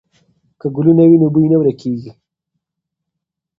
که ګلونه وي نو بوی نه ورکېږي.